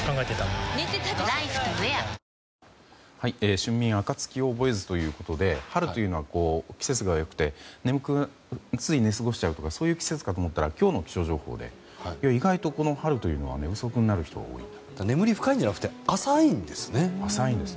春眠暁を覚えずということで春というのは季節が良くてつい寝過ごしちゃうとかそういう季節かと思ったら今日の気象情報で意外と春というのは寝不足になる人が多いと。